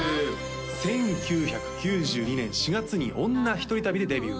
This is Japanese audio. １９９２年４月に「女ひとり旅」でデビュー